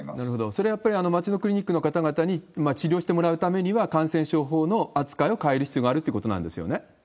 それはやっぱり町のクリニックの方々に治療してもらうためには、感染症法の扱いを変える必要があるということなんですよね。